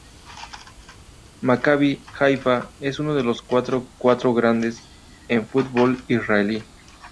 Maccabi Haifa es uno de los cuatro "Cuatro Grandes" en fútbol israelí.